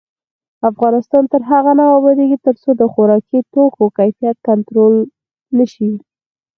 افغانستان تر هغو نه ابادیږي، ترڅو د خوراکي توکو کیفیت کنټرول نشي.